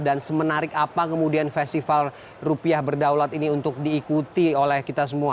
dan semenarik apa kemudian festival rupiah berdaulat ini untuk diikuti oleh kita semua